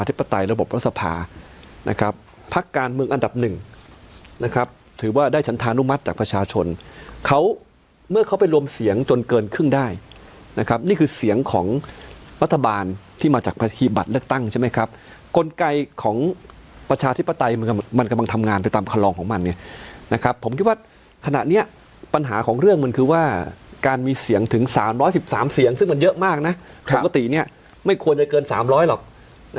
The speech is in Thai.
ีบัตเล็กตั้งใช่ไหมครับกลไกยของปัชาธิปัตัยมันกำมันกำมันทำงานไปตามคลองของมันเนี้ยนะครับผมคิดว่าขณะเนี้ยปัญหาของเรื่องมันคือว่าการมีเสียงถึง๓๑๓เสียงซึ่งมันเยอะมากนะปกติเนี้ยไม่ควรได้เกิน